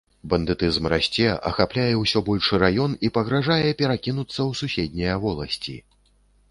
Бандытызм расце, ахапляе ўсё большы раён і пагражае перакінуцца ў суседнія воласці.